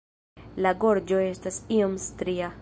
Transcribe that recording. La gorĝo estas iom stria.